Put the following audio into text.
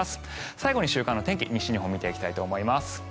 最後に週間天気、西日本から見ていきたいと思います。